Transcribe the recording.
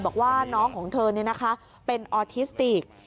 บอกว่าน้องของเธอนี่นะคะเป็นออสติติก